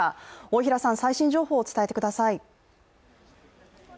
大平さん、最新情報を伝えてください。